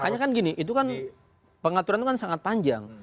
makanya kan gini itu kan pengaturan itu kan sangat panjang